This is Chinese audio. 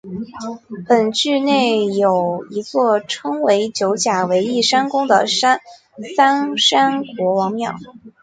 本聚落内有一座称为九甲围义山宫的三山国王庙。